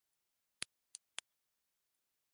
ねぇねぇ、知ってる？